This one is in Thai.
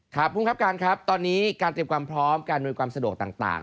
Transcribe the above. ภูมิครับการครับตอนนี้การเตรียมความพร้อมการอำนวยความสะดวกต่าง